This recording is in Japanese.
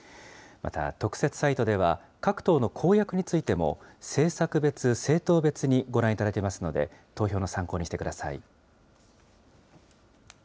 また特設サイトでは、各党の公約についても、政策別・政党別にご覧いただけますので、投票の参考にしてください。